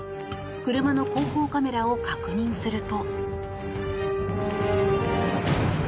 車の後方カメラを確認すると。